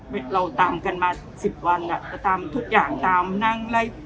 มันก็ช็อคเราตามกันมา๑๐วันตามทุกอย่างตามนั่งไล่